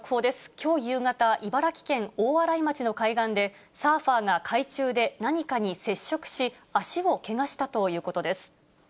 きょう夕方、茨城県大洗町の海岸で、サーファーが海中で何かに接触し、足をけがしたということです。